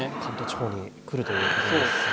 関東地方に来るということですね。